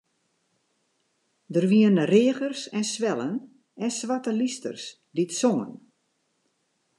Der wiene reagers en swellen en swarte lysters dy't songen.